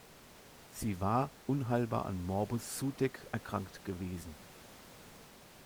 Sie war unheilbar an Morbus Sudeck erkrankt gewesen.